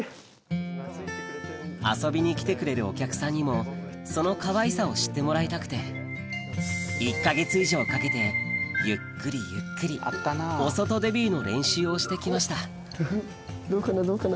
遊びに来てくれるお客さんにもそのかわいさを知ってもらいたくて１か月以上かけてゆっくりゆっくりお外デビューの練習をして来ましたどうかな？